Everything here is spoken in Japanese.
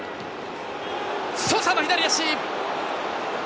ソサの左足！